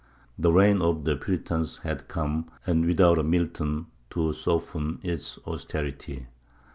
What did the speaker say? The reign of the Puritans had come, and without a Milton to soften its austerity.